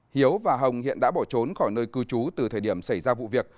hiếu và hồng hiện đã bỏ trốn khỏi nơi cư trú từ thời điểm xảy ra vụ việc